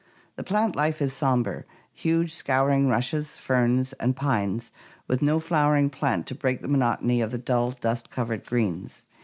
The plant life is somber: huge scouring rushes, ferns, and pines, with no flowering plant to break the monotony of the dull dust covered greens.